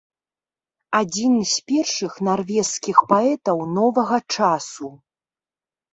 Адзін з першых нарвежскіх паэтаў новага часу.